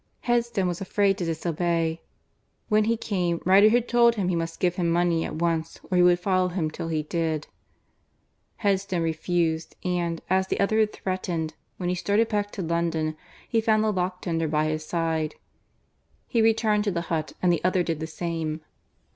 Headstone was afraid to disobey. When he came, Riderhood told him he must give him money at once or he would follow him till he did. Headstone refused and, as the other had threatened, when he started back to London, he found the lock tender by his side. He returned to the hut and the other did the same.